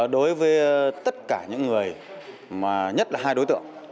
đối với tất cả những người mà nhất là hai đối tượng